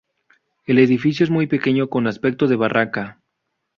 El edificio es muy pequeño, con aspecto de barraca.